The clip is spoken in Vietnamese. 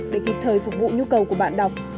để kịp thời phục vụ nhu cầu của bạn đọc